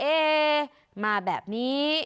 เอ๊มาแบบนี้